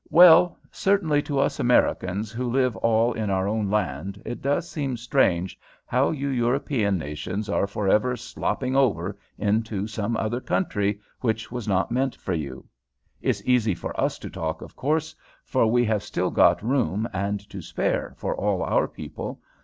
"Well, certainly, to us Americans who live all in our own land it does seem strange how you European nations are for ever slopping over into some other country which was not meant for you. It's easy for us to talk, of course, for we have still got room and to spare for all our people.